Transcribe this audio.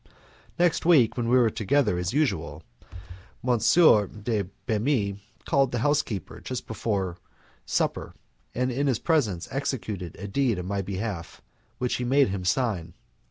Next week, when we were together as usual, M. de Bemis called the housekeeper just before supper, and in his presence executed a deed in my behalf, which he made him sign.